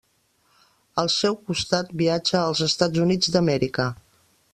Al seu costat, viatja als Estats Units d'Amèrica.